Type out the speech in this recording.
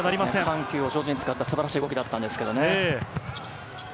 緩急を上手に使った素晴らしい動きだったんですけどね。